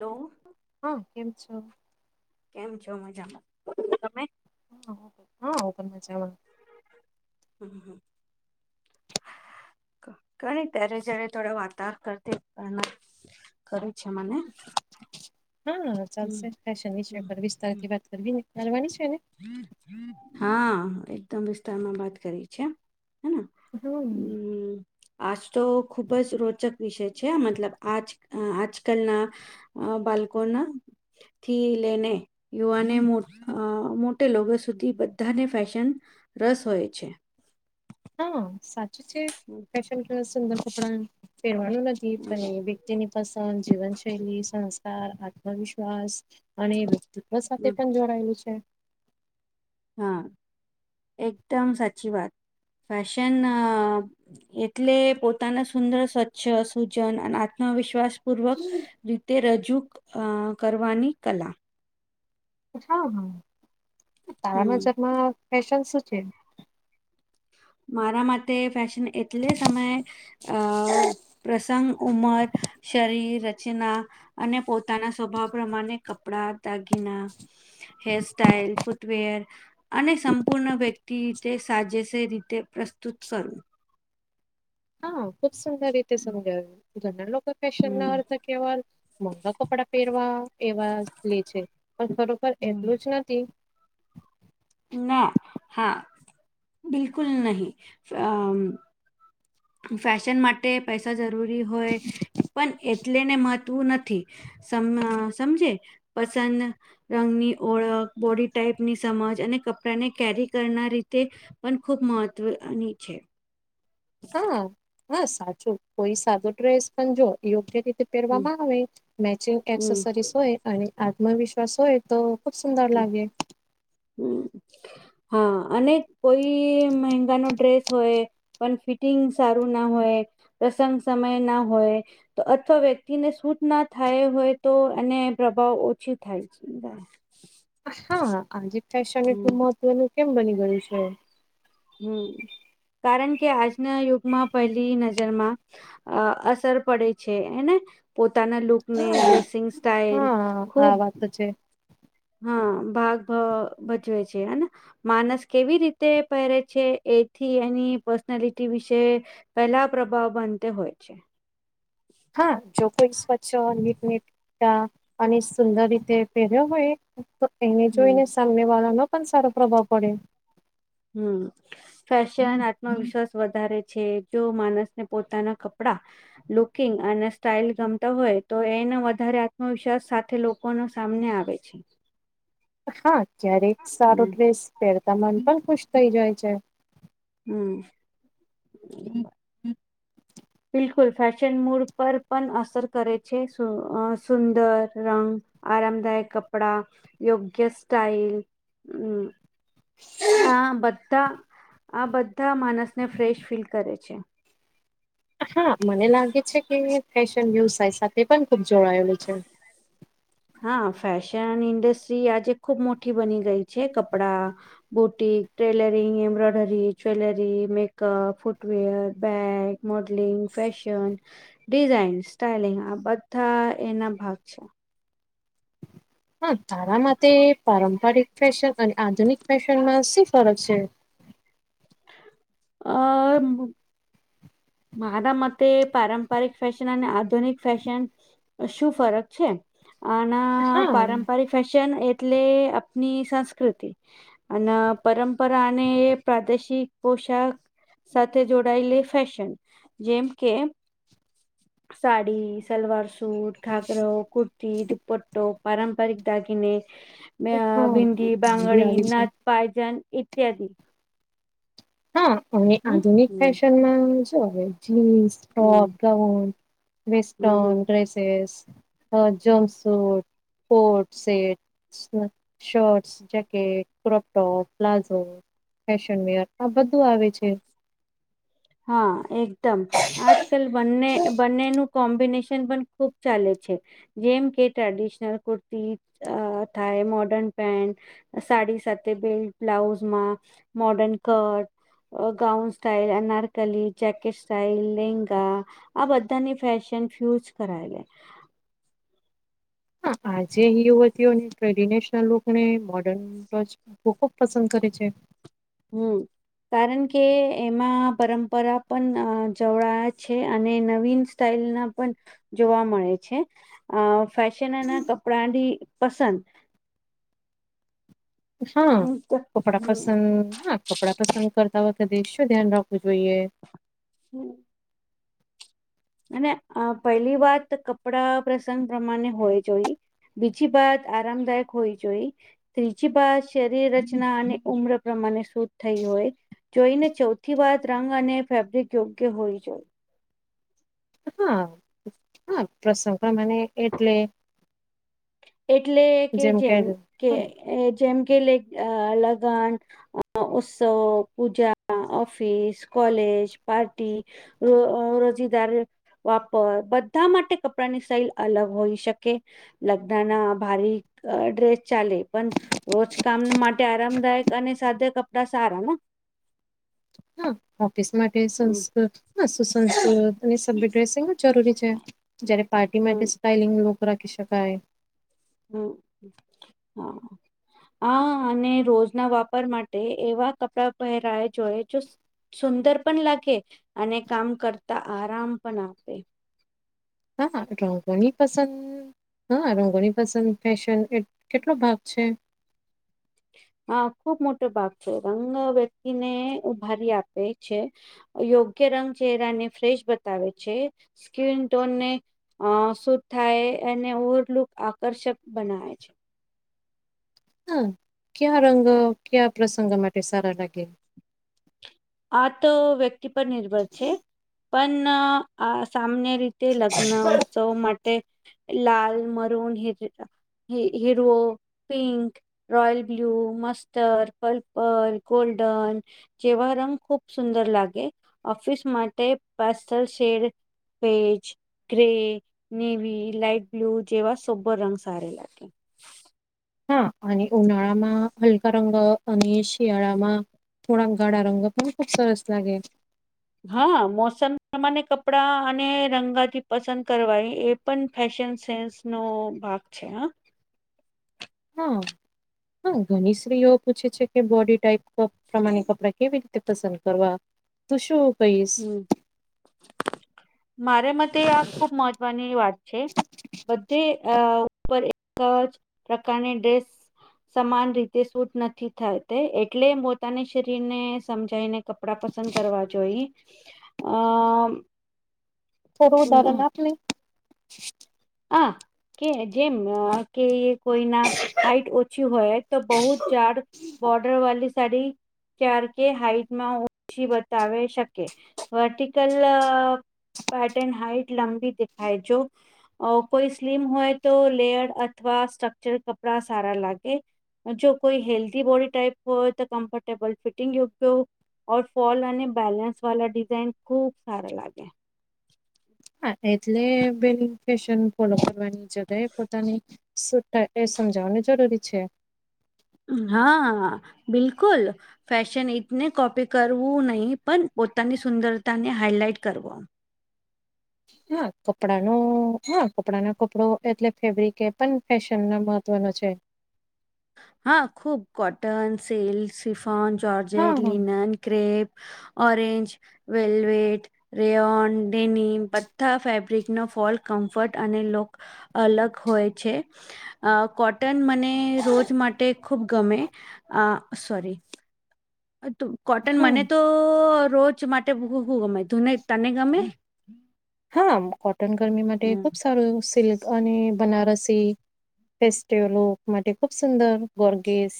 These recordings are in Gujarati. હલો હા, કેમ છો. કેમ છો. મજામાં તમે હા, હાચવા હમ- હમ કણી ત્યારે જય્યારે થોડા વાતાવર કરતી પણ ખું છે. મને હા હમ ચાલશે ફશન ની હમ છે હમ વિસ્તારથી વાત કરવી ને મારવાની છેને. હા એકદમ વિસ્તારમાં વાત કરી છે. હેના હમ્મ હમ આજ તો ખુબ જ રોચક વિષય છે. મતલબ આજ આજકાલના બાળકોના થી લઈને યુવાને મો મોટે લોકો સુધી બધાને ફેશન રસ હોય છે. હા સાચું છે. હમ. સુંદર કપડા ફેરવાનું લાગી હમ પને તેની પસંદ જીવનશૈલી સંસ્કાર આત્મવિશ્વાસ અને દુ હમ સાથે પણ જોડાયેલું છે. હા, એકદમ સાચી વાત ફશન એટલે પોતાના સુંદર સ્વચ્છ સૂજન અને આત્મવિશ્વાસ પૂર્વક રીતે રજૂ કરવાની કલા હા હા તારા હમ મજબમાં ફેશન શું છે. મારા માટે ફેશ એટલે સમયે અ પ્રસંગ ઉમર શરીર ના અને પોતાના સ્વભાવ પ્રમાણે કપડા દાગીના હેર સાઈલ ફૂટવેર અને સંપૂર્ણ વ્યક્તિ તે સાજે છે. રીતે તે પ્રસ્તુત કરું હા, ખુબ સુંદર રીતે સમજાવ ઘરના લોકો ફશન નાર્ હમ તો કેવા મોંઘા કપડા પહેરવા એવા સ્ લ છે. પણ ખરોખર હમ એટલું જ નથી. ના હા બિલકુલ નહી, અમ ફેશન માટે પૈસા જરૂરી હોય, પણ એટલે ને મહત્વું નથી. સમ સમજે પસંદ રંગની ઓળખ બોડી ટાઈપની સમજ, અને કપડાને કેરી કરનાર રીતે પણ ખુબ મહત્વની છે. હા, હા સાચું કોઈ સાદો ડ્રેસ પણ જો યોગ્ય રીતે હમ હેરવામાં આવે મેચિંગ હમ એસેસરીસ હોય અને આત્મવિશ્વાસ હોય, તો ખુબ સુંદર હમ લાગે. હમ હા, અને કોઈ મંગાનો ડ્રેસ હોય. પણ ફિટિંગ સારું ના હોય, પ્રસંગ સમય ના હોય. તો અથવા વ્યક્તિને શૂટ ના થાય હોય તો એને પ્રભાવ ઓછી થાય છે. બ હા, આજે ફેશન એટલું મહત્વનું કેમ બની ગયું છે. હમ, કારણ કે આજના યુગમાં પહેલી નજરમાં અ અસર પડે છે. એને પોતાના લુક ને ડ્રેસિંગ સ્ટાઇલ હા આ ખુબ વાત તો છે હા ભાગ ભ ભજવે છે. હને માનસ કેવી રીતે પહેરે છે. એથી એની પર્સનાલિટી વિશે પેલા પ્રભાવ બનતે હોય છે. હા, જો કોઈ સ્વચ્છ ટટતા અને સુંદર રીતે પહેર્યો હોય. તો એને હમ જોઈને સામને વાળાનો પણ સારો પ્રભાવ પડે. હમ. ફેશન આત્મવિશ્વાસ વધારે છે જો માનસને પોતાના કપડા લુકિંગ અને સ્ટાઈલ ગમતા હોય. તો એને વધારે આત્મવિશ્વાસ સાથે કોનો સામને આવે છે. હા ક્યારેક સારો હમ ડ્રેસ પહેરતા મન પણ ખુશ થઈ જાય છે. હમ. બિલકુલ ફેશન મૂડ પર પણ અસર કરે છે સુંદર, રંગ આરામદાયક કપડા, યોગ્ય સસ્ટાઈલ હમ [inaudible] આ બધા આ બધા માણસને ફ્રેશ ફીલ કરે છે. હા મને લાગે છે કે ફેશ ન્યૂઝ સાથે પણ ખુબ જોડાયેલું છે. હા ફેશન ઇન્ડસ્ટ્રી આજે ખુબ મોટી બની ગઈ છે. કપડા boutique, tailoring, embroidery, jewellery, makeup, footwear, bag modelling, fashion design, styling આ બધા એના ભાગ છે. હા તારા માટે પારંપરિક ફેશન અને આધુનિક ફેશનમાં શુ ફરક છે? અ મારા મતે પારંપરિક ફેશન અને આધુનિક ફેશન શું ફરક છે આના હા પારંપરિક ફેશન એટલે આપની સંસ્કૃતિ અને પરંપરા અને પ્રાદેશિક પોશાક સાથે જોડાયેલી ફેશન જેમ કે સાડી, સલવાર સૂટ, ઘાઘરો, કુર્તી, દુપટ્ટો પારંપરિક દાગીને હા બિદડી, એ બી બંગડી, આવી છે નથ પાયજન ઈત્યાદી. હા અમે હમ આધુનિક હમ ફેશનમાં હવે જીન્સ, હમ ટોપ, ગાઉન હમ હમ વેસ્ટન ડ્રેસેસ, જમ suit, coat suit shirts, jacket, crop top, palazzo, fashion wear આ બધું આવે છે. હા એકદમ આજ કલ બંને બંનેનું કોમ્બિનેશન પણ ખુબ ચાલે છે. જેમ કે ટ્રેડિશનલ કુર્તી અ થાય મોર્ડર્ન પેન્ટ સાડી સાથે બેલ્ટ, બ્લાઉઝમાં મોર્ડર્ન કટ અ ગાઉન સ્ટાઈલ એના ટોટલી જેકેટ સાઈલ લેંગા આ બધાની ફેશન ફ્યુઝ કરાયે. હા આજે યુવતીઓ ટ્રેડિનેશન લોકોને મોર્ડર્ન ટ લોકો ખૂબ પસંદ કરે છે. હમ. કારણ કે એમાં પરંપરા પણ જવળયા છે અને નવીન સ્ટાઈલ ના પણ જોવા મળે છે. અ ફેશનના કપડાની પસંદ હા હમ કપડા પસંદ હા કપ કકડા પસંદ કરતા હોય તો શું ધ્યાન રાખવું જોઈએ? હમ. અને પહેલી વાત કપડા પ્રસંગ પ્રમાણે હોવી જોઈ. બીજી બાત આરામદાયક હોવી જોઈ. ત્રીજી બાત શરીર રચના અને ઉમ્ર પ્રમાણે શુદ્ધ થઈ હોય. જોઈને ચૌથી વાત રંગ અને ફેબ્રિક યોગ્ય હોવી જોઈએ. હા હા પ્રસંગ પ્રમાણે એટલે એટલે કે જેમ કે જેમ કે લ લગન અ ઉત્સવ પૂજા, ઓફિસ, કોલેજ, પાર્ટી. રો રોજીદાર. [inaudible] વાપર બધા માટે કપડાની સ્ટાઈલ અલગ હોઈ શકે લ ના ભારીક ડ્રેસ ચાલે પણ રોજ કામ માટે આરામદાયક અને સાદા કપડા સારા ને? હા ઓફિસ માટે હમ સંસ્કૃત હ સુસંસ્કૃત. અને સ્ય ડ્રેસિંગ જ જરૂરી છે જયારે પાર્ટી માટે હમ સ્ટઇલિંગ લોકો રાખી શકાય. હમ હા. હા અને રોજના વાપર માટે એવા કપડા પહેરાવે જોએ જો સુંદર પણ લાગે અને કામ કરતા આરામ પણ આપે. હા રંગણી પસંદ હા રંગોની પસંદ ફેશન કેટલો ભાગ છે. હા ખુબ મોટો ભાગ છે રંગ વ્યક્તિને ઉભારી આપે છે. યોગ્ય રંગ ચહેરાને ફ્રેશ બતાવે છે સ્કીિન ટોનને અશુધ થાય અને ઓવરલુક આકર્ષક બનાવે છે. હા ક્યા રંગો ક્યા પ્રસંગો માટે સારા લાગે આ તો વ્યક્તિ પર નિર્ભર છે પન્ન આ સામને રીતે લગ્ન ઉત્સવ માટે લાલ મરૂન હીરેરા હી હીરો pink royal blue mustard purple golden જેવા રંગ ખુબ સુંદર લાગે ઓફિસ માટે pastel shade page grey navy light blue જેવા સોબર રંગ સારે લાગે. હા અને ઉનાળામાં હલકા રંગ અને શિયાળામાં થોડાક ગાળા રંગ પણ ખૂબ સરસ લાગે. હા મોસમ પ્રમાણે કપડા અને રંગાથી પસંદ કરવાય એ પણ ફેશન સેન્સ નો ભાગ છે હ હા, [inaudible] હા ઘણી સ્રીઓ પૂછે છે કે બોડી ટાઈપ કોપ. પ્રમાણે કપડા કેવી રીતે પસંદ કરવા તું શું કહીશ. હમ મારે મતે આ ખુબ મહત્વની વાત છે બધે ઉપર એક જ પ્રકારની ડ્રેસ. સમાન રીતે સૂટ નથી થતે એટલે પોતાને શરીરને સમજાઈને. કપડા પસંદ કરવા જોઈએ આમ. થોડું ઉદાહરણ આપને હ કે જેમ કે કોઈ ના હાઈટ ઓછી હોયત તો બહુત જાડ બોર્ડર વાળી. સડી કાર કે હાઈટમાં ઓછી બતાવે શકે વર્ટિકલ પેટન હાઈટ લંબી દેખાય જો. કોઈ સ્લીમ હોય તો લેયર અથવા સ્ટ્રક્ચર કપડા સારા લાગે. જો કોઈ હેલ્ધી બોડી ટાઈપ હોય તો કમ્ફર્ટેબલ ફિટિંગ યોગ્ય. ઓર ફોલ અને બેલેન્સ વાલા ડિઝાઇન ખુબ સારા લાગે. હા એટલે બેન ફેશન ફોલો કરવાની જગાએ પોતાની શું થાય એ સમજાવાનું જરૂરી છે. હા બિલકુલ ફેશન એકને કોપી કરવું નહી પણ પોતાની સુંદરતા ને હાઈલાઈટ કરો. હા કપડાનો હા કપડાનો કપડો એટલે ફેબ્રિક એ પણ ફેશન ના મહત્વનો છે. હા ખૂબ કોટન સિલ્ક સિફન હા, જોર્જેટ હા. Linen crepe orange velvet rayon denim બધા ફેબ્રિકનો ફોલ કમ્ફર્ટ અને લોક. અલગ હોય છે કોટન મને રોજ. માટે ખૂબ ગમે આ સોરી [inaudible] કોટન મને હા, તો રોજ માટે [inaudible] શું ગમે તુંને તને ગમે હા કોટન ગરમી માટે હમ ખુબ સારું સિલ્ક અને બનારસી ફેસ્ટિવલો માટે ખુબ સુંદર ગોર્ગેસ.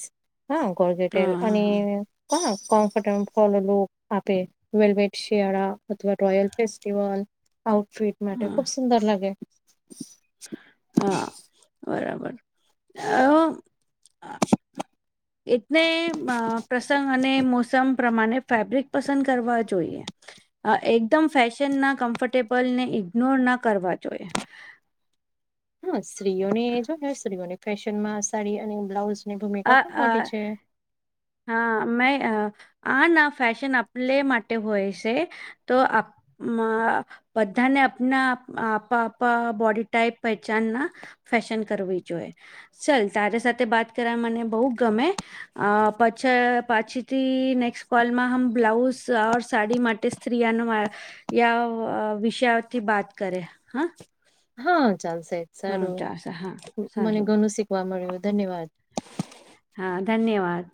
હા ગોગેટેલ હા અને હા હા કોમફર્ટેબલ ફોલુ લુક આપે. વેલવેટ સ્યારા અથવા રોયલ ફેસ્ટિવલ આઉટફિટ માટે હા ખુબ સુંદર લાગે. હા બરાબર એ [inaudible] એટલે પ્રસંગ અને મોસમ પ્રમાણે ફેબ્રિક પસંદ કરવા જોઈએ. એકદમ ફેશન ના કમ્ફર્ટેબલ ને ઇગ્નોર ના કરવા જોઈએ. હા સ્ત્રીઓને જો સ્ત્રીઓને ફેશન માં સાડી અને બ્લાઉઝ હ હ [inaudible] [unintelligible] હા મે આ ના ફેશન આપલે માટે હોય છે. તો આપ બધાને આપના આપપા બોડી ટાઈપ પહેચાન ના ફેશન કરવી જોઈ ચલ તારી સાથે વાત કર મને બહ ગમે અ પછ પછીથી નેક્સ્ટ કોલમાં હમ બ્લાઉઝ સાડી માટે સ્તત્રિયાનું વિષયાથી બાત કરે હા. હા ચાલ સાહેબ હા સારું ચાલ હા મને સારું ઘણું શીખવા મળ્યું ધન્યવાદ. હા ધન્યવાદ